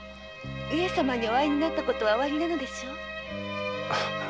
上様にお会いになったことはおありなのでしょう？